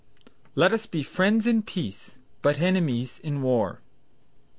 "Let us be friends in peace, but enemies in war."